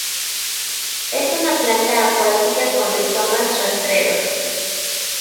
Es una planta acuática con rizomas rastreros.